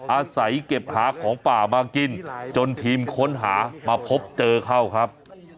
อาศัยเก็บหาของป่ามากินจนทีมค้นหามาพบเจอเข้าครับ